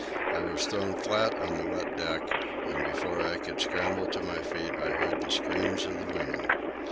I was thrown flat on the wet deck, and before I could scramble to my feet I heard the scream of the women.